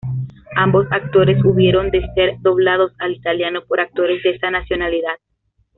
Ambos actores hubieron de ser doblados al italiano por actores de esta nacionalidad.